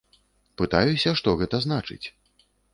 Пытаюся, што гэта значыць.